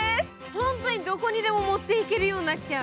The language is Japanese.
本当にどこにでも持っていけるようになっちゃう。